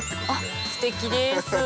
あっすてきです。